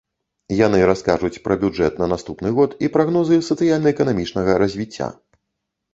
Яны раскажуць пра бюджэт на наступны год і прагнозы сацыяльна-эканамічнага развіцця.